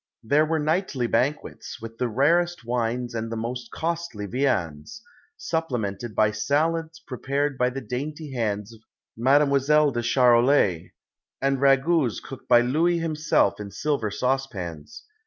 There were nightly banquets, with the rarest wines and the most costly viands, supplemented by salads prepared by the dainty hands of Mademoiselle de Charolois, and ragouts cooked by Louis himself in silver saucepans.